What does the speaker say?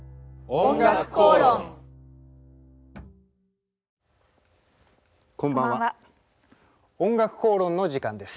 「おんがくこうろん」の時間です。